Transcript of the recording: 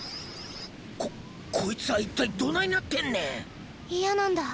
ここいつは一体どないなってんねん！